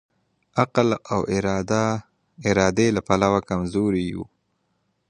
عقل او ارادې له پلوه کمزوری وو.